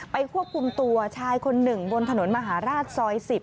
ควบคุมตัวชายคนหนึ่งบนถนนมหาราชซอย๑๐